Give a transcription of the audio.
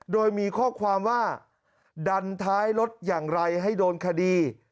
โดยมีข้อความว่าดันท้ายรถอย่างไรให้โดนคดี